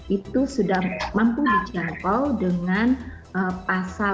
itu sudah mampu dicampur dengan pasal enam